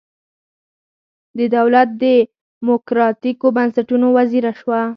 د دولت د دموکراتیکو بنسټونو وزیره شوه.